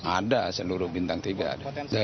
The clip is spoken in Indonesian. ada seluruh bintang tiga